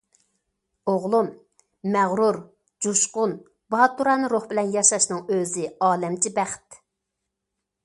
ئوغلۇم مەغرۇر، جۇشقۇن، باتۇرانە روھ بىلەن ياشاشنىڭ ئۆزى ئالەمچە بەخت.